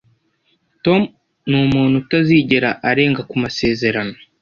Tom numuntu utazigera arenga ku masezerano.